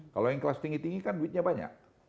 kalau yang kelas tinggi tinggi kan duitnya banyak